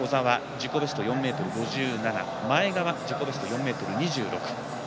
自己ベスト４ｍ５７前川、自己ベスト４ｍ２６。